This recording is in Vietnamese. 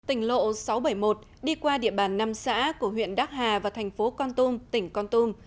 tỉnh lộ sáu trăm bảy mươi một đi qua địa bàn năm xã của huyện đắc hà và thành phố con tum tỉnh con tum